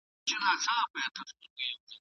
د سولي پر ځای د جګړې لاره مه ټاکئ.